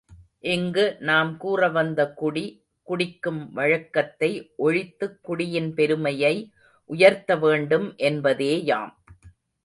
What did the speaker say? இங்கு நாம் கூறவந்த குடி, குடிக்கும் வழக்கத்தை ஒழித்துக் குடியின் பெருமையை உயர்த்த வேண்டும் என்பதேயாம்.